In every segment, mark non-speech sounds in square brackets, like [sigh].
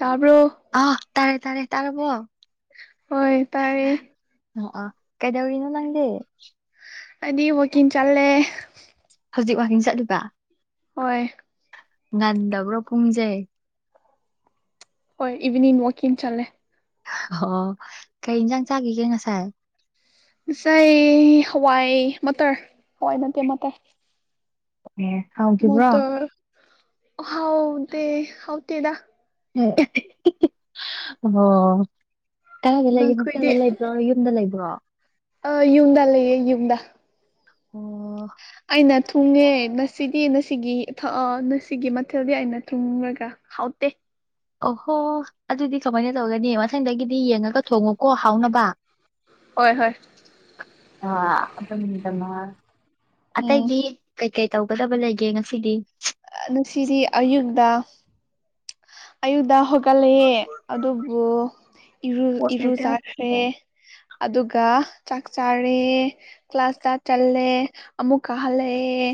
ꯇꯕꯔꯣ ꯑ ꯇꯥꯔꯦ ꯇꯥꯔꯦ ꯇꯔꯕꯣ ꯍꯣꯏ ꯇꯔꯦ ꯑꯣ ꯑ ꯀꯩꯗꯧꯔꯤꯅꯅꯗꯦ ꯑꯗꯤ ꯋꯥꯀꯤꯡ ꯆꯠꯂꯦ ꯍꯧꯖꯤꯛ ꯋꯥꯀꯤꯡ ꯆꯠꯂꯤꯕ ꯍꯣꯏ ꯉꯥꯟꯗꯕꯨ ꯔ ꯄꯨꯉꯖꯦ ꯍꯣꯏ ꯏꯚꯅꯤꯅꯤꯡ ꯋꯥꯋꯀꯤꯡ ꯆꯂꯦ ꯑꯣ ꯀꯩ ꯏꯟꯖꯥꯡ ꯆꯥꯈꯤꯒꯦ ꯉꯁꯥꯏ ꯏ ꯍꯋꯥꯏ ꯃꯇꯇꯔ ꯍꯋꯥꯏ ꯅꯠꯇꯦ ꯃꯇꯔ ꯑꯦ ꯍꯥꯎꯈꯤꯕ꯭ꯔꯣ ꯃꯠꯇ ꯍꯥꯎꯗꯦ ꯍꯥꯎꯗꯤꯗ ꯑꯣ ꯀꯗꯥꯗ ꯂꯩꯒꯦ ꯅꯈꯣꯏꯗꯤ ꯍꯛꯇꯦꯜꯗ ꯂꯩꯕ꯭ꯔꯣ ꯌꯨꯝꯗ ꯂꯩꯕ꯭ꯔꯣ ꯑ ꯌꯨꯝꯗ ꯂꯩꯌꯦ ꯌꯨꯝꯗ ꯑꯣ ꯑꯩꯅ ꯊꯨꯡꯉꯦ ꯉꯁꯤꯗꯤ ꯉꯁꯤꯒꯤ ꯉꯁꯤꯒꯤ ꯃꯊꯦꯜꯗꯤ ꯑꯩꯅ ꯊꯨꯡꯈꯒ ꯍꯥꯎꯗꯦ ꯑꯣꯍꯣ ꯑꯗꯨꯗꯤ ꯀꯃꯥꯏꯅ ꯇꯧꯒꯅꯤ ꯃꯊꯪꯗꯒꯤꯗꯤ ꯌꯦꯡꯉꯒ ꯊꯣꯡꯉꯨꯀꯣ ꯍꯥꯎꯅꯕ ꯍꯣꯏ ꯍꯣꯏ ꯑ ꯑꯗꯨ ꯅꯨꯃꯤꯠꯇ ꯃꯥ ꯎꯝ ꯑꯇꯩꯗꯤ ꯀꯩ ꯀꯩ ꯇꯧꯒꯗꯕ ꯂꯩꯒꯦ ꯉꯁꯤꯗꯤ ꯉꯁꯤꯗꯤ ꯑꯌꯨꯛꯇ ꯑꯌꯨꯛꯇ ꯍꯧꯒꯠꯂ‌ꯦ ꯑꯗꯨꯕꯨ ꯏꯔꯨ ꯏꯔꯨꯖꯈ꯭ꯔꯦ ꯑꯗꯨꯒ ꯆꯥꯛ ꯆꯥꯔꯦ ꯀ꯭ꯂꯥꯁꯇ ꯆꯜꯂꯦ ꯑꯃꯨꯛ ꯀꯥ ꯍꯜꯂꯛꯑꯦ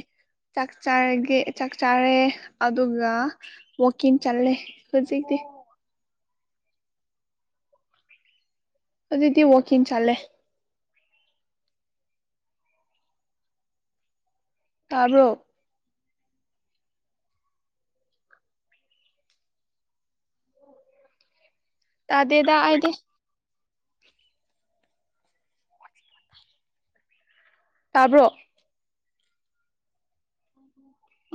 ꯆꯥꯛ ꯆꯥꯔꯒ‌ꯦ ꯆꯥꯔꯦ ꯑꯗꯨꯒ ꯋꯥꯡꯀꯤꯡ ꯆꯠꯂꯦ ꯍꯧꯖꯤꯛꯇꯤ ꯍꯧꯖꯤꯛꯇꯤ ꯋꯥꯡꯀꯤꯡ ꯆꯠꯂꯦ ꯇꯥꯕꯔ‌ꯣ ꯇꯥꯗꯦꯗ ꯑꯩꯗꯤ ꯇꯥꯕ꯭ꯔꯣ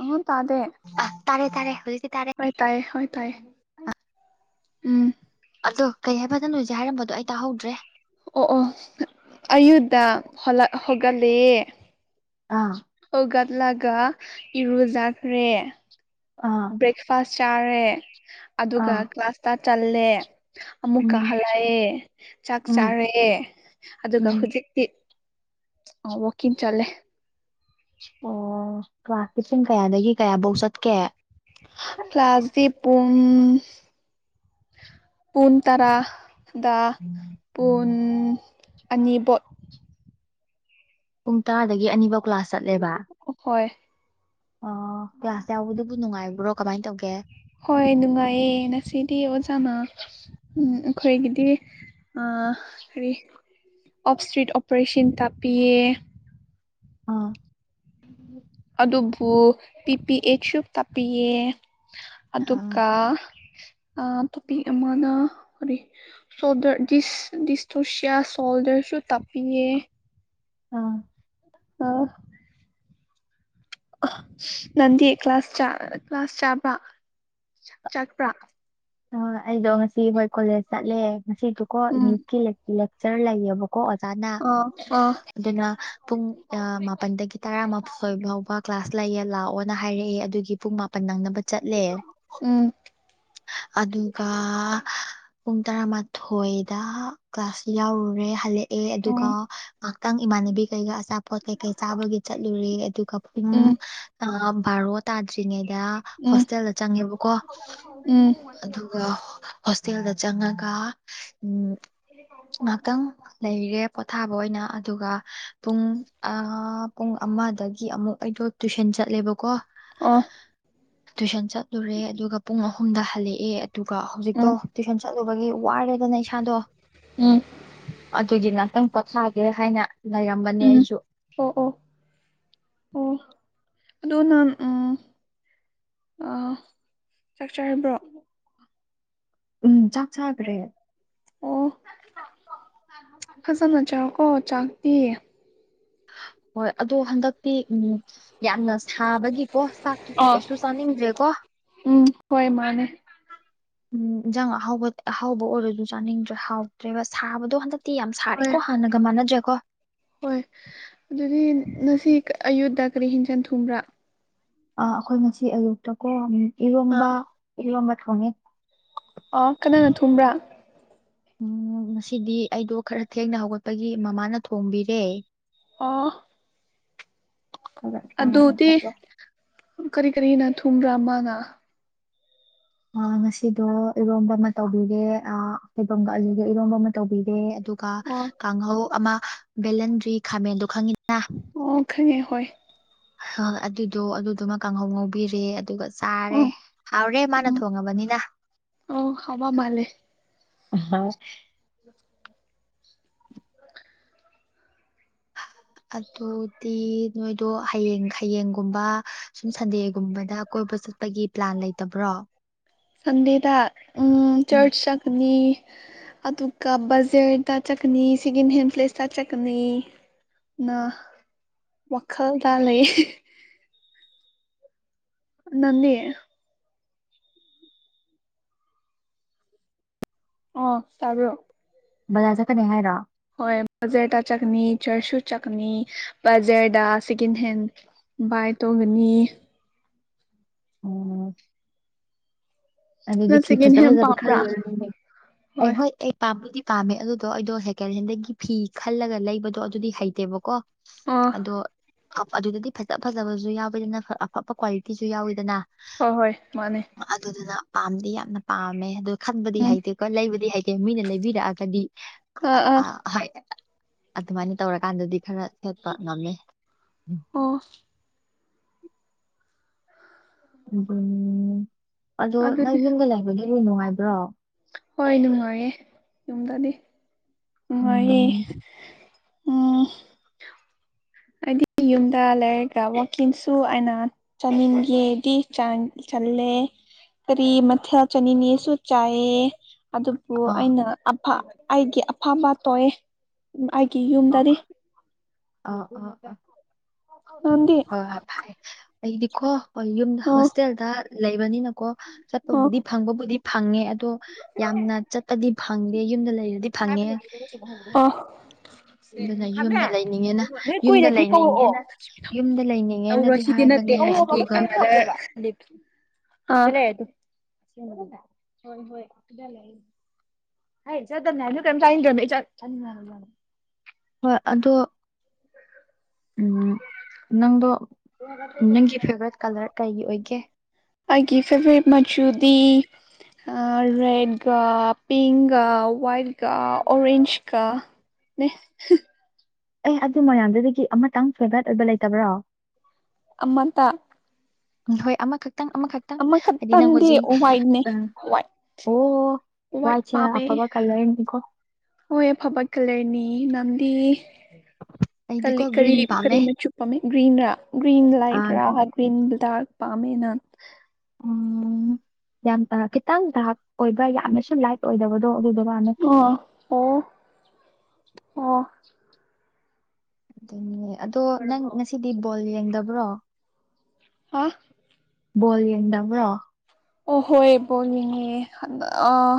[inaudible] ꯑꯉꯝ ꯇꯥꯗꯦ ꯑ ꯇꯥꯔꯦ ꯇꯥꯔꯦ ꯍꯧꯖꯤꯛꯇꯤ ꯇꯥꯔꯦ ꯍꯣꯏ ꯇꯥꯏꯌꯦ ꯍꯣꯏ ꯇꯥꯏꯌꯦ ꯎꯝ ꯑꯗꯣ ꯀꯩ ꯍꯥꯏꯕ ꯅꯪꯅ‌ ꯍꯧꯖꯤꯛ ꯍꯥꯏꯔꯝꯕꯗꯣ ꯑꯩ ꯇꯥꯍꯧꯗ꯭ꯔꯦ ꯑꯣ ꯑꯣ ꯑꯌꯨꯛꯗ ꯍꯧꯒꯠꯂ‌ꯦ ꯑꯥ ꯍꯧꯒꯠꯂꯒ ꯏꯔꯨꯖꯈ꯭ꯔꯦ ꯑꯥ ꯕ꯭ꯔꯦꯛꯐꯥꯁ ꯆꯥꯔꯦ ꯑꯗꯨꯒ ꯑꯥ ꯀ꯭ꯂꯥꯁꯇ ꯆꯠꯂꯦ ꯑꯃꯨꯛꯀ ꯎꯝ ꯍꯜꯂꯛꯑꯦ ꯆꯥꯛ ꯎꯝ ꯆꯥꯔꯦ ꯑꯗꯨꯒ ꯎꯝ ꯍꯧꯖꯤꯛ ꯑ ꯋꯥꯡꯀꯤꯡ ꯆꯠꯂꯦ ꯑꯣ ꯀ꯭ꯂꯥꯁꯇꯤ ꯄꯨꯡ ꯀꯌꯥꯗꯒꯤ ꯀꯌꯥꯐꯧ ꯆꯠꯀꯦ ꯀ꯭ꯂꯥꯁꯗꯤ ꯄꯨꯡ ꯄꯨꯡ ꯇꯔꯥꯗ ꯄꯨꯡ ꯑꯅꯤꯕꯧ ꯄꯨꯡ ꯇꯔꯥꯗꯒꯤ ꯑꯅꯤꯐꯧ ꯀ꯭ꯂꯥꯁ ꯆꯠꯂꯦꯕ ꯍꯣꯏ ꯑꯣ ꯀ꯭ꯂꯥꯁ ꯌꯥꯎꯕꯗꯨꯕꯨ ꯅꯨꯡꯉꯥꯏꯕ꯭ꯔꯣ ꯀꯃꯥꯏꯅ ꯇꯧꯒꯦ ꯍꯣꯏ ꯅꯨꯡꯉꯥꯏꯌꯦ ꯉꯁꯤꯗꯤ ꯑꯣꯖꯥꯅ ꯎꯝ ꯑꯩꯈꯣꯏꯒꯤꯗꯤ ꯑ ꯀꯔꯤ ꯑꯣꯞ ꯏꯁꯇ꯭ꯔꯤꯠ ꯑꯣꯄꯔꯦꯁꯟ ꯇꯥꯛꯄꯤꯌꯦ ꯑꯥ ꯑꯗꯨꯕꯨ ꯄꯤꯄꯤꯑꯦꯛ ꯇꯥꯛꯄꯤꯌ‌ꯦ ꯑꯗꯨꯒ ꯑꯥ ꯇꯣꯄꯤꯛ ꯑꯃꯅ ꯀꯔꯤ ꯁꯣꯜꯗꯔ ꯗꯤꯁ ꯗꯤꯁꯇꯣꯁꯤꯌꯥ ꯁꯣꯜꯗꯔꯁꯨ ꯇꯥꯛꯄꯤꯌꯦ ꯑꯥ ꯑꯥꯎ ꯅꯪꯗꯤ ꯀ꯭ꯂꯥꯁ ꯀ꯭ꯂꯥꯁ ꯆꯥꯕ꯭ꯔ ꯆꯠꯄ꯭ꯔꯥ ꯑ ꯑꯩꯗꯣ ꯉꯁꯤ ꯃꯣꯏ ꯀꯣꯂꯦꯖ ꯆꯠꯂꯦ ꯉꯁꯤꯗꯨꯀꯣ ꯎꯝ ꯏꯪꯂꯤꯁꯀꯤ ꯂꯦꯛꯆꯔ ꯂꯩꯌꯦꯕꯀꯣ ꯀꯣ ꯑꯣꯖꯥꯅ ꯑ ꯑ ꯑꯗꯨꯅ ꯄꯨꯡ ꯃꯥꯄꯜꯗꯒꯤ ꯇꯔꯥꯃꯊꯣꯏ ꯐꯥꯎꯕ ꯀ꯭ꯂꯥꯁ ꯂꯩꯌꯦ ꯂꯥꯛꯑꯣꯅ ꯍꯥꯏꯔꯛꯑꯦ ꯑꯗꯨꯒꯤ ꯄꯨꯡ ꯃꯥꯄꯟ ꯅꯪꯅꯕ ꯆꯠꯂꯦ ꯎꯝ ꯑꯗꯨꯒ ꯄꯨꯡ ꯇꯔꯥꯃꯥꯊꯣꯏꯗ ꯀ꯭ꯂꯥꯁ ꯌꯥꯎꯔꯨꯔꯦ ꯍꯜꯂꯛꯑꯦ ꯑꯗꯨꯒ ꯎꯝ ꯉꯥꯏꯍꯛꯇꯪ ꯏꯃꯥꯟꯅꯕꯤ ꯒꯩꯒꯥ ꯑꯆꯥꯄꯣꯠ ꯀꯩꯀꯩ ꯆꯥꯕꯒꯤ ꯆꯠꯂꯨꯔꯦ ꯑꯗꯨꯒ ꯄꯨꯡ ꯎꯝ ꯚꯥꯔꯣꯠ ꯇꯥꯗ꯭ꯔꯤꯉꯩꯗ ꯎꯝ ꯍꯣꯁꯇꯦꯜꯗ ꯆꯪꯉꯦꯕꯀꯣ ꯎꯝ ꯑꯗꯨꯒ ꯍꯣꯁꯇꯦꯜꯗ ꯆꯪꯉꯒ ꯎꯝ ꯉꯍꯥꯛꯇꯪ ꯂꯩꯔꯦ ꯄꯣꯊꯥꯕ ꯑꯣꯏꯅ ꯑꯗꯨꯒ ꯄꯨꯡ ꯄꯨꯡ ꯑꯃꯗꯒꯤ ꯑꯃꯨꯛ ꯑꯩꯗ ꯇꯨꯏꯁꯟ ꯆꯠꯂꯦꯕꯀꯣ ꯑꯣꯐ ꯇꯨꯏꯁꯟ ꯆꯠꯂꯨꯔꯦ ꯑꯗꯨꯒ ꯄꯨꯡ ꯑꯍꯨꯝꯗ ꯍꯜꯂꯛꯑꯦ ꯑꯗꯨꯒ ꯍꯧꯖꯤꯛꯇꯣ ꯎꯝ ꯇꯨꯏꯁꯟ ꯆꯠꯂꯨꯕꯒꯤ ꯋꯥꯔꯦꯗꯅ ꯏꯁꯥꯗꯣ ꯎꯝ ꯑꯗꯨꯗꯤ ꯉꯍꯥꯛꯇꯪ ꯄꯣꯊꯥꯒꯦ ꯍꯥꯏꯅ ꯂꯩꯔꯝꯕꯅꯦ ꯎꯝ ꯑꯩꯁꯨ ꯑꯣ ꯑꯣ ꯑꯣ ꯑꯗꯨ ꯅ ꯎꯝ ꯑ ꯆꯠꯆꯔꯕ꯭ꯔꯣ ꯎꯝ ꯆꯥꯛ ꯆꯥꯈ꯭ꯔꯦ ꯑꯣ ꯐꯖꯅ ꯆꯔꯣꯀꯣ ꯆꯥꯛꯇꯤ ꯍꯣꯏ ꯑꯗꯣ ꯍꯟꯗꯛꯇꯤ ꯎꯝ ꯌꯥꯝꯅ ꯁꯥꯕꯒꯤꯀꯣ ꯆꯥꯛꯇꯁꯨ ꯑꯣ ꯀꯩꯁꯨ ꯆꯥꯅꯤꯡꯗ꯭ꯔꯦꯀꯣ ꯎꯝ ꯍꯣꯏ ꯃꯥꯅꯦ ꯎꯝ ꯏꯟꯖꯥꯡ ꯑꯍꯥꯎꯕ ꯑꯍꯥꯎꯕ ꯑꯣꯏꯔꯁꯨ ꯆꯥꯅꯤꯡꯗ꯭ꯔꯦ ꯍꯥꯎꯗ꯭ꯔꯦꯕ ꯁꯥꯕꯗꯣ ꯍꯟꯗꯛꯇꯤ ꯌꯥꯝ ꯍꯣꯏ ꯁꯥꯔꯦꯀꯣ ꯍꯥꯟꯅꯒ ꯃꯥꯟꯅꯖꯦꯀꯣ ꯍꯣꯏ ꯑꯗꯨꯗꯤ ꯉꯁꯤ ꯑꯌꯨꯠꯇ ꯀꯔꯤ ꯍꯦꯟꯖꯟ ꯊꯨꯝꯕ꯭ꯔꯥ ꯑ ꯑꯩꯈꯣꯏ ꯉꯁꯤ ꯑꯌꯨꯛꯇꯀꯣ ꯑ ꯏꯔꯣꯝꯕ ꯏꯔꯣꯝꯕ ꯊꯧꯅꯤ ꯑ ꯀꯅꯥꯅ ꯊꯨꯝꯕ꯭ꯔꯥ ꯎꯝ ꯉꯁꯤꯗꯤ ꯑꯩꯗꯣ ꯈꯔ ꯊꯦꯡꯅ ꯍꯧꯒꯠꯄꯒꯤ ꯃꯃꯥꯅ ꯊꯣꯡꯕꯤꯔꯦ ꯑꯣ ꯑꯗꯨꯒ ꯆꯥꯔꯒ ꯑꯗꯨꯗꯤ ꯆꯠꯂꯦ ꯀꯔꯤ ꯀꯔꯤꯅ ꯊꯨꯝꯕ꯭ꯔꯥ ꯃꯥꯅ ꯑ ꯉꯁꯤꯗꯣ ꯏꯔꯣꯝꯕ ꯑꯃ ꯇꯧꯕꯤꯔꯦ ꯍꯩꯐꯝꯒ ꯏꯔꯣꯝꯕ ꯑꯃ ꯇꯧꯕꯤꯔꯦ ꯑꯗꯨꯒ ꯑꯗꯨꯒ ꯑꯣ ꯀꯥꯡꯍꯧ ꯑꯃ ꯕꯦꯜꯍꯟꯗ꯭ꯔꯤ ꯈꯥꯃꯦꯟꯗꯣ ꯈꯪꯉꯤꯅ ꯑꯣ ꯈꯪꯉꯦ ꯍꯣꯏ ꯍ ꯑꯗꯨꯗꯣ ꯑꯗꯨꯗꯨꯃ ꯀꯥꯡꯍꯧ ꯉꯧꯕꯤꯔꯦ ꯑꯗꯨꯒ ꯆꯥꯔꯦ ꯎꯝ ꯍꯥꯎꯔꯦ ꯃꯥꯅ ꯎꯝ ꯊꯣꯡꯉꯕꯅꯤꯅ ꯑꯣ ꯍꯥꯎꯕ ꯃꯥꯜꯂꯦ ꯍ ꯑꯗꯨꯗꯤ ꯅꯣꯏꯗꯣ ꯍꯌꯦꯡ ꯍꯌꯦꯡꯒꯨꯝꯕ ꯁꯨꯝ ꯁꯟꯗꯦꯒꯨꯝꯕꯗ ꯀꯣꯏꯕ ꯆꯠꯄꯒꯤ ꯄ꯭ꯂꯥꯟ ꯂꯩꯇꯕ꯭ꯔꯣ ꯁꯟꯗꯦꯗ ꯎꯝ. ꯆꯔꯆ ꯆꯒꯅꯤ ꯑꯗꯨꯒ ꯕꯖꯔꯗ ꯆꯠꯀꯅꯤ ꯁꯤꯒꯤꯟ ꯍꯦꯟꯄ꯭ꯂꯦꯁꯇ ꯆꯠꯀꯅꯤ ꯅ ꯋꯥꯈꯜ ꯇ ꯂꯩ ꯅꯟ ꯑꯣ ꯆꯔ ꯕꯖꯥꯔ ꯆꯠꯀꯅꯦ ꯍꯥꯏꯔꯣ ꯍꯣꯏ ꯕꯖꯔꯗ ꯆꯠꯅꯤ ꯆꯔꯁꯨ ꯆꯅꯤ ꯕꯖꯔꯗ ꯁꯦꯀꯦꯟ ꯍꯦꯟ ꯕꯥꯏ ꯇꯧꯒꯅꯤ ꯑꯣ ꯑꯗꯨꯗꯤ ꯅꯪ ꯐꯤ ꯁꯦꯀꯦꯟ ꯐꯖ ꯍꯦꯟ ꯐꯖꯕ ꯄꯥꯝꯕ꯭ꯔꯥ ꯈꯜꯂꯨꯔꯦ [unintelligible] ꯑꯩ ꯍꯣꯏ ꯑꯩ ꯄꯥꯝꯕꯨꯗꯤ ꯄꯥꯝꯃꯦ ꯑꯗꯨꯗꯣ ꯑꯩꯗꯣ ꯁꯦꯀꯦꯟ ꯍꯦꯜꯗꯒꯤ ꯐꯤ ꯈꯜꯂꯒ ꯂꯩꯕꯗꯣ ꯑꯗꯨꯗꯤ ꯍꯩꯇꯦꯕꯀꯣ ꯑꯣ ꯑꯗꯣ ꯑꯗꯨꯗꯗꯤ ꯐꯖ ꯐꯖꯕꯁꯨ ꯌꯥꯎꯋꯤꯗꯅ ꯑꯐꯕ ꯀ꯭ꯋꯥꯂꯤꯇꯤꯁꯨ ꯌꯥꯎꯋꯤꯗꯅ ꯍꯣꯏ ꯍꯣꯏ ꯃꯥꯅꯦ ꯑꯗꯨꯗꯨꯅ ꯄꯥꯝꯗꯤ ꯌꯥꯝꯅ ꯄꯥꯝꯃꯦ ꯑꯗꯨ ꯈꯟꯕꯗꯤ ꯎꯝ ꯍꯩꯇꯦꯀꯣ ꯂꯩꯕꯗꯤ ꯍꯩꯇꯦ ꯃꯤꯅ ꯂꯩꯕꯤꯔꯛꯑꯒꯗꯤ ꯑ ꯍꯣꯏ ꯑꯗꯨꯃꯥꯏꯅ ꯇꯧꯔꯀꯥꯟꯗꯗꯤ ꯈꯔ ꯁꯦꯠꯄ ꯉꯝꯃꯦ ꯑꯣ ꯎꯝ ꯑꯗꯣ ꯅꯪ ꯑꯗꯨꯗꯤ ꯌꯨꯝꯗ ꯂꯩꯕꯒꯤ ꯅꯨꯡꯉꯥꯏꯕ꯭ꯔꯣ ꯍꯣꯏ ꯅꯨꯡꯉꯥꯏꯌꯦ ꯌꯨꯝꯗꯗꯤ ꯅꯨꯡꯉꯥꯏꯌꯦ ꯎꯝ ꯎꯝ ꯑꯩꯗꯤ ꯌꯨꯝꯗ ꯂꯩꯔꯒ ꯋꯥꯛꯀꯤꯡꯁꯨ ꯑꯩꯅ ꯆꯅꯤꯡꯒꯦꯗꯤ ꯆꯥꯡ ꯆꯜꯂꯦ ꯀꯔꯤ ꯃꯊꯦꯜ ꯆꯥꯅꯤꯉꯦꯁꯨ ꯆꯥꯏꯌꯦ ꯑꯗꯨ ꯑꯗꯨ ꯑꯥ ꯑꯩꯅ ꯑꯩꯒꯤ ꯑꯐꯕ ꯇꯣꯛꯑꯦ ꯑꯩꯒꯤ ꯌꯨꯝꯗꯗꯤ ꯑ ꯑ ꯅꯪꯗꯤ ꯑ ꯐꯥꯏ [unintelligible] ꯑꯩꯒꯤꯀꯣ ꯍꯣꯏ ꯌꯨꯝꯗ ꯑꯣ ꯍꯣꯁꯇꯦꯜꯗ ꯂꯩꯕꯅꯤꯅꯀꯣ ꯑꯣ ꯆꯠꯄꯕꯨꯗꯤ ꯐꯪꯕꯕꯨꯗꯤ ꯐꯪꯉꯦ ꯑꯗꯣ ꯌꯥꯝꯅ ꯆꯠꯄꯗꯤ ꯐꯪꯗꯦ ꯌꯨꯝꯗ ꯂꯩꯕꯗꯤ ꯐꯪꯉꯦ ꯑꯣ ꯑꯗꯨꯅ ꯌꯨꯝꯗ ꯈꯥꯃꯦꯟ ꯂꯩꯅꯤꯡꯉꯦꯅ ꯑꯗꯨꯒ ꯅꯣꯏ ꯌꯨꯝꯗ ꯀꯨꯏꯔꯗꯤ ꯀꯧꯔꯛꯑꯣ ꯂꯩꯅꯤꯡꯉꯦꯅ ꯌꯨꯝꯗ ꯇꯧꯔꯣꯏ ꯂꯩꯅꯤꯡꯉꯦꯅꯗꯤ ꯁꯤꯗꯤ ꯅꯠꯇꯦ ꯍꯥꯏꯕꯅꯦ ꯑꯗꯨꯒ ꯂꯤꯞ [unintelligible] ꯂ [unintelligible] ꯑꯗꯨ ꯍꯣꯏ ꯍꯣꯍ ꯁꯤꯗ ꯂꯩ ꯍꯥꯏ ꯆꯠꯅꯤ [unintelligible] ꯑꯗꯨ [unintelligible] ꯆ [unintelligible] ꯍꯣꯏ ꯑꯗꯣ ꯎꯝ ꯅꯪꯗꯣ ꯅꯪꯒꯤ ꯐꯦꯚꯣꯔꯥꯏꯠ ꯀꯂꯔ ꯀꯩ ꯑꯣꯏꯒꯦ ꯑꯩꯒꯤ ꯐꯦꯕꯣꯔꯥꯏꯠ ꯃꯆꯨꯗꯤ ꯔꯦꯠꯒ ꯄꯤꯡꯀ ꯋꯥꯏꯠꯀ ꯑꯣꯔꯦꯟꯖꯀ ꯅꯤ ꯑꯩ ꯑꯗꯨ ꯃꯌꯥꯝꯗꯨꯗꯒꯤ ꯑꯃꯇꯪ ꯐꯦꯚꯣꯔꯥꯏꯠ ꯑꯣꯏꯕ ꯂꯩꯇꯕ꯭ꯔꯣ ꯑꯃꯇ ꯍꯣꯏ ꯑꯃꯈꯛꯇꯪ ꯑꯃꯈꯛꯇꯪ ꯍꯥꯏꯗꯤ ꯅꯪ ꯑꯃꯈꯛꯇꯪꯗꯤ ꯍꯧꯖꯤꯛ ꯋꯥꯏꯠꯅꯦ ꯑ ꯋꯥꯏꯠ ꯑꯣ ꯋꯥꯏꯠ ꯋꯥꯏꯠꯁꯦ ꯄꯥꯝꯃꯦ ꯑꯐꯕ ꯀꯜꯂꯔꯅꯤꯀꯣ ꯍꯣꯏ ꯑꯐꯕ ꯀꯜꯂꯔꯅꯤ ꯅꯪꯗꯤ ꯀꯜꯂꯤ ꯑꯩꯗꯤꯀꯣ ꯀꯔꯤ ꯒ꯭ꯔꯤꯟ ꯀꯔꯤ ꯄꯥꯝꯃꯦ ꯃꯆꯨ ꯄꯥꯝꯃꯤ ꯒ꯭ꯔꯤꯟꯔꯥ ꯒ꯭ꯔꯤꯟ ꯎꯝ ꯂꯥꯏꯠꯔꯥ ꯒ꯭ꯔꯤꯟ ꯗꯥꯔꯛ ꯄꯥꯝꯃꯦ ꯅꯪ ꯎꯝ ꯌꯥꯝ ꯈꯤꯇꯪ ꯗꯥꯔꯛ ꯑꯣꯏꯕ ꯌꯥꯝꯅꯁꯨ ꯂꯥꯏꯠ ꯑꯣꯏꯗꯕꯗꯣ ꯑꯗꯨꯗꯨ ꯄꯥꯝꯃꯦ ꯑꯣ ꯑꯣ ꯑꯣ ꯑꯗꯨꯅꯤ ꯑꯗꯣ ꯅꯪ ꯉꯁꯤꯗꯤ ꯕꯣꯜ ꯌꯦꯡꯗꯕ꯭ꯔꯣ ꯍꯥ ꯕꯣꯜ ꯌꯦꯡꯗꯕ꯭ꯔꯣ ꯑꯣ ꯍꯣꯏ ꯕꯣꯜ ꯌꯦꯡꯉꯦ ꯑꯥ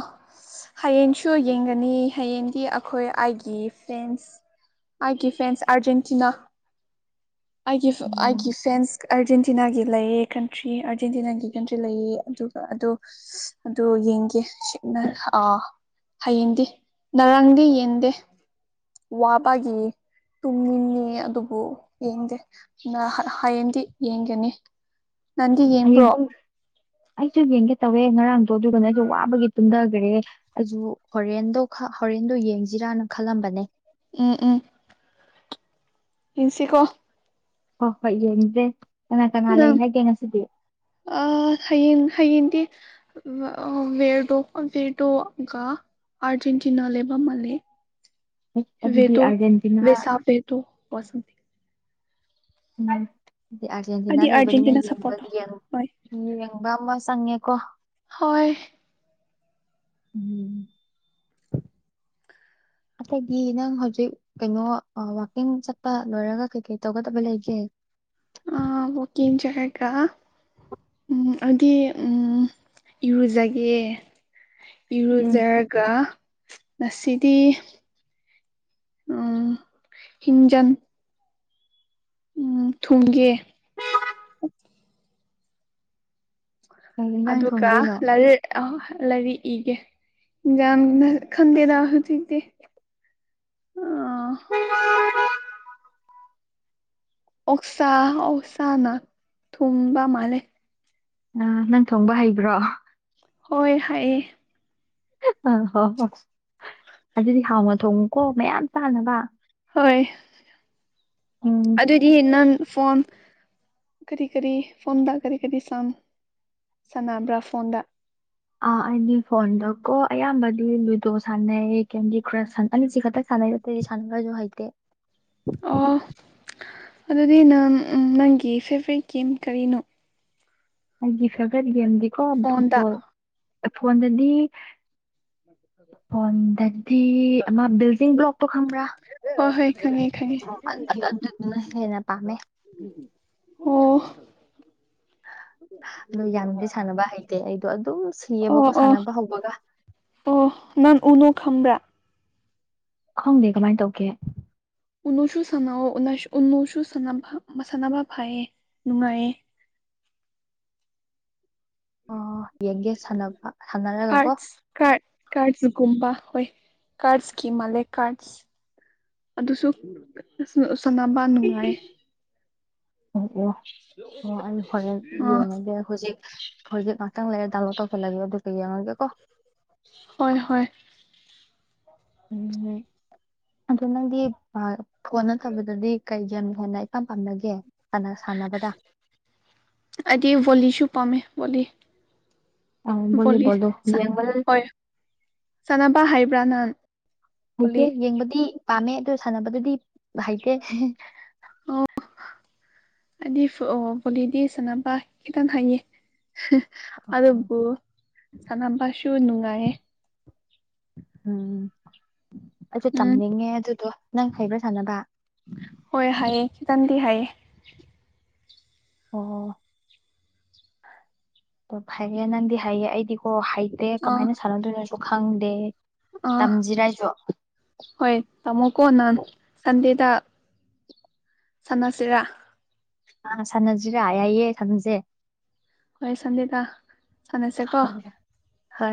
ꯍꯌꯦꯡꯁꯨ ꯌꯦꯡꯒꯅꯤ ꯍꯌꯦꯡꯗꯤ ꯑꯩꯈꯣꯏ ꯑꯩꯒꯤ ꯐꯦꯟꯁ ꯑꯩꯒꯤ ꯐꯦꯟꯁ ꯑꯥꯔꯖꯦꯟꯇꯤꯅꯥ ꯑꯩꯒꯤ ꯑꯩꯒꯤ ꯎꯝ ꯐꯦꯟꯁ ꯑꯔꯖꯦꯟꯇꯤꯅꯥꯒꯤ ꯂꯩꯌꯦ ꯀꯟꯇ꯭ꯔꯤ ꯑꯔꯖꯦꯟꯇꯤꯅꯥꯒꯤ ꯀꯟꯇ꯭ꯔꯤ ꯂꯩꯌꯦ ꯑꯗꯨꯒ ꯑꯗꯨ ꯑꯗꯨ ꯌꯦꯡꯒꯦ ꯁꯤꯛꯅꯥ ꯑꯥ ꯍꯌꯦꯡꯗꯤ ꯉꯔꯥꯡꯗꯤ ꯌꯦꯡꯗꯦ ꯋꯥꯕꯒꯤ ꯇꯨꯝꯅꯤꯡꯉꯦ ꯑꯗꯨꯕꯨ ꯌꯦꯡꯗꯦ ꯍꯌꯦꯡꯗꯤ ꯌꯦꯡꯒꯅꯤ ꯅꯪꯗꯤ ꯍꯌꯦꯡ ꯌꯦꯡꯕ꯭ꯔꯣ ꯄꯨꯡ ꯑꯩꯁꯨ ꯌꯦꯡꯒꯦ ꯇꯧꯋꯦ ꯉꯔꯥꯡꯗꯣ ꯑꯗꯨꯒꯅꯦ ꯑꯩꯁꯨ ꯋꯥꯕꯒꯤ ꯇꯨꯝꯗꯒ꯭ꯔꯦ ꯑꯩꯁꯨ ꯍꯣꯔꯦꯟꯗꯣꯈꯛ ꯍꯣꯔꯦꯟꯗꯣ ꯌꯦꯡꯁꯤꯔꯅ ꯈꯜꯂꯝꯕꯅꯦ꯫ ꯎꯝ ꯎꯝ꯫ ꯌꯦꯡꯁꯤꯀꯣ꯫ ꯍꯣꯏ ꯍꯣꯏ ꯌꯦꯡꯖꯦ, ꯀꯅꯥ-ꯀꯅꯥ ꯂꯩ ꯅꯪ ꯍꯥꯏꯒꯦ ꯉꯁꯤꯗꯤ? ꯑ ꯍꯌꯦꯡ-ꯍꯌꯦꯡꯗꯤ [unintelligible] ꯑꯔꯖꯦꯟꯇꯤꯅꯥ ꯂꯩꯕ ꯃꯥꯜꯂꯦ ꯑꯗꯨꯗꯤ ꯑꯥꯔꯖꯦꯟꯇꯤꯅꯥ [unintelligible] ꯇꯣ [unintelligible] ꯎꯝ ꯑꯩꯗꯤ ꯑꯥꯔꯖꯦꯟꯇꯤꯅꯥ ꯂꯩꯕꯅꯤꯅ ꯑꯔꯖꯦꯟꯇꯤꯅꯥ ꯁꯞꯄꯣꯔꯠ ꯇꯧ ꯍꯣꯏ [inaudible] ꯌꯦꯡꯕ ꯑꯃ ꯆꯪꯉꯦꯀꯣ ꯍꯣꯏ ꯎꯝ ꯑꯇꯩꯗꯤ ꯅꯪ ꯍꯧꯖꯤꯛ ꯀꯩꯅꯣ ꯋꯥꯛꯀꯤꯡ ꯆꯠꯄ ꯂꯣꯏꯔꯒ ꯀꯩ ꯀꯩ ꯇꯧꯒꯗꯕ ꯂꯩꯒꯦ ꯑ ꯋꯥꯛꯀꯤꯡ ꯆꯠꯂꯒ ꯎꯝ ꯑꯗꯤ ꯎꯝ ꯏꯔꯨꯖꯒꯦ ꯎꯝ ꯏꯔꯨꯖ ꯒ ꯉꯁꯤꯗꯤ ꯎꯝ ꯍꯤꯡꯖꯪ ꯎꯝ ꯊꯣꯡꯒꯦ ꯀꯩ ꯏꯟꯖꯥꯡ ꯑꯗꯨꯒ ꯊꯣꯡꯗꯣꯏꯅꯣ ꯂꯥꯏꯔꯤꯛ ꯑ ꯂꯥꯏꯔꯤꯛ ꯏꯒꯦ [unintelligible] ꯈꯪꯗꯦꯗ ꯍꯧꯖꯤꯛꯇꯤ ꯑ [unintelligible] ꯑꯣꯛꯁꯥ ꯑꯣꯛꯁꯥꯅ ꯊꯣꯡꯕ ꯃꯥꯜꯂꯦ ꯑ ꯅꯪ ꯊꯣꯡꯕ ꯍꯩꯕ꯭ꯔꯣ ꯍꯣꯏ ꯍꯥꯏꯌꯦ ꯑꯥ ꯍꯣ ꯍꯣꯏ ꯑꯗꯨꯗꯤ ꯍꯥꯎꯅ ꯊꯣꯡꯉꯨꯀꯣ ꯃꯌꯥꯝ ꯆꯥꯅꯕ꯫ ꯍꯣꯏ ꯎꯝ ꯑꯗꯨꯗꯤ ꯅꯪ ꯐꯣꯟ ꯀꯔꯤ-ꯀꯔꯤ ꯐꯣꯟꯗ ꯀꯔꯤ ꯀꯔꯤ ꯁꯥꯟ ꯁꯥꯟꯅꯕ꯭ꯔꯥ ꯐꯣꯟꯗ ꯑꯥ ꯑꯩꯗꯤ ꯐꯣꯟꯗꯀꯣ ꯑꯌꯥꯝꯕꯗꯤ ꯂꯨꯗꯣ ꯁꯥꯟꯅꯩ ꯀꯦꯟꯗꯤ ꯀ꯭ꯔꯁ ꯁꯥꯟ ꯑꯅꯤꯁꯤ ꯈꯛꯇꯪ ꯁꯥꯟꯅꯩ ꯑꯇꯩꯗꯤ ꯁꯥꯟꯅꯕꯁꯨ ꯍꯩꯇꯦ ꯑꯣ ꯑꯗꯨꯗꯤ ꯅꯪ ꯅꯪꯒꯤ ꯐꯦꯕꯔꯥꯏꯠ ꯒꯦꯝ ꯀꯔꯤꯅꯣ ꯑꯩꯒꯤ ꯐꯦꯚꯔꯥꯏꯠ ꯒꯦꯝꯗꯤꯀꯣ ꯐꯣꯟꯗ ꯐꯨꯠꯕꯣꯜ ꯐꯣꯟꯗꯗꯤ ꯐꯣꯟꯗꯗꯤ ꯑꯃ ꯕꯤꯜꯗꯤꯡ ꯕ꯭ꯂꯣꯛ- ꯇꯣ ꯈꯪꯕ꯭ꯔꯥ ꯍꯣꯏ ꯍꯣꯏ ꯈꯪꯉꯦ ꯈꯪꯉꯦ ꯑ ꯑꯗꯨꯗꯨꯅ ꯍꯦꯟꯅ ꯄꯥꯝꯃꯦ ꯑꯣ ꯑꯗꯣ ꯌꯥꯝꯅꯗꯤ ꯁꯥꯟꯅꯕ ꯍꯩꯇꯦ ꯑꯩꯗꯣ ꯑꯗꯨꯝ ꯑꯣ ꯁꯤꯌꯦꯕꯀꯣ ꯑꯣ ꯁꯥꯟꯅꯕ ꯍꯧꯕꯒ ꯑꯣ ꯅꯪ ꯎꯅꯣ ꯈꯪꯕ꯭ꯔꯥ ꯈꯪꯗꯦ ꯀꯃꯥꯏ ꯇꯧꯒꯦ ꯎꯨꯅꯣꯁꯨ ꯁꯥꯟꯅꯧꯑꯣ ꯎꯅ ꯎꯅꯣꯁꯨ ꯁꯥꯟꯅꯕ ꯃꯁꯥꯟꯅꯕ ꯐꯩꯌꯦ ꯅꯨꯡꯉꯥꯏꯌꯦ ꯑꯣ ꯌꯦꯡꯒꯦ ꯁꯥꯟꯅꯕ ꯁꯥꯅꯔꯒꯀꯣ ꯀꯥꯔꯠꯁ ꯀꯥꯔꯠ ꯀꯥꯔꯠꯁꯒꯨꯝꯕ ꯍꯣꯏ ꯀꯥꯔꯠꯁꯀꯤ ꯃꯥꯜꯂꯦ ꯀꯥꯔꯠꯁ ꯑꯗꯨꯁꯨ ꯑꯗꯨꯁꯨ ꯁꯥꯟꯅꯕ ꯅꯨꯡ ꯑꯣ ꯑꯣ ꯑꯣ ꯑꯩ ꯍꯣꯔꯦꯟ ꯑꯥ ꯌꯦꯡꯉꯒꯦ ꯍꯨꯖꯤꯛ ꯍꯨꯖꯤꯛ ꯉꯥꯛꯇꯪ ꯂꯩꯔꯒ ꯗꯥꯎꯟꯂꯣꯗ ꯇꯧꯁꯤꯜꯂꯒꯦ ꯑꯗꯨꯒ ꯌꯥꯡꯉꯒꯦꯀꯣ ꯍꯣꯏ ꯍꯣꯏ ꯎꯝ ꯑꯗꯨ ꯅꯪꯗꯤ ꯐꯣꯟ ꯅꯠꯇꯕꯗꯗꯤ ꯀꯩ ꯌꯥꯝ ꯍꯦꯟꯅ ꯏꯄꯥꯝ ꯄꯥꯝꯅꯒꯦ ꯁꯥꯟꯅ ꯁꯥꯟꯅꯕꯗ ꯑꯩꯗꯤ ꯕꯣꯂꯤꯁꯨ ꯄꯥꯝꯃꯦ ꯕꯣꯂꯤ ꯑꯣ ꯚꯣꯂꯤꯕꯣꯜꯗꯣ ꯌꯦꯡꯕꯗ ꯍꯣꯏ ꯁꯥꯟꯅꯕ ꯍꯥꯏꯕ꯭ꯔꯥ ꯅꯪ ꯍꯩꯇꯦ ꯚꯣꯂꯤ ꯌꯦꯡꯕꯗꯤ ꯄꯥꯝꯃꯦ ꯑꯗꯨ ꯁꯥꯟꯅꯕꯗꯨꯗꯤ ꯍꯩꯇꯦ ꯑꯩꯗꯤ ꯐꯨ ꯑꯣ ꯕꯣꯂꯤꯗꯤ ꯁꯥꯟꯅꯕ ꯈꯤꯇꯪ ꯍꯩꯌꯦ ꯑꯣ ꯑꯗꯨꯕꯨ ꯁꯥꯟꯅꯕꯁꯨ ꯅꯨꯡꯉꯥꯏꯌꯦ ꯎꯝ ꯑꯩꯁꯨ ꯎꯝ ꯇꯝꯅꯤꯡꯉꯦ ꯑꯗꯨꯗꯣ ꯅꯪ ꯍꯩꯕ꯭ꯔꯥ ꯁꯥꯟꯅꯕ ꯍꯣꯏ ꯍꯩꯌꯦ ꯈꯤꯇꯪꯗꯤ ꯍꯩꯌꯦ ꯑꯣ ꯑꯣ ꯐꯩꯌꯦ ꯅꯪꯗꯤ ꯍꯩꯌꯦ ꯑꯩꯗꯤꯀꯣ ꯍꯩꯇꯦ ꯑꯥ ꯀꯃꯥꯏꯅ ꯁꯥꯟꯅꯗꯣꯏꯅꯣꯁꯨ ꯈꯪꯗꯦ ꯑꯥ ꯇꯝꯖꯤꯔ ꯑꯩꯖꯨ ꯍꯣꯏ ꯇꯝꯃꯣꯀꯣ ꯅꯪ ꯁꯟꯗꯦꯗ ꯁꯥꯟꯅꯁꯤꯔꯥ ꯑꯥ ꯁꯥꯟꯅꯁꯤ꯭ꯔꯥ ꯌꯥꯏꯌꯦ ꯁꯥꯟꯅꯁꯦ ꯍꯣꯏ ꯁꯟꯅꯤꯇꯥ ꯁꯥꯟꯅꯁꯦ ꯀꯣ ꯍꯣꯏ ꯍꯣꯏ